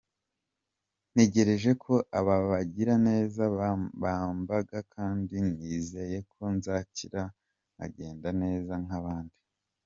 Ntegereje ko aba bagiraneza bambaga kandi nizeye ko nzakira nkagenda neza nk’abandi.